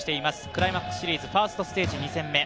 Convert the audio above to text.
クライマックスシリーズファーストステージ２戦目。